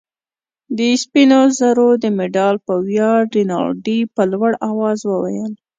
د سپینو زرو د مډال په ویاړ. رینالډي په لوړ آواز وویل.